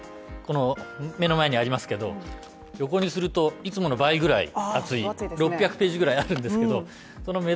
目の前にありますけど、横にすると、いつもの倍ぐらい厚い６００ページぐらいあるんですけど。